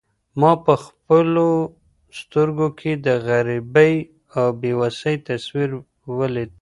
ما په خپلو سترګو کې د غریبۍ او بې وسۍ تصویر ولید.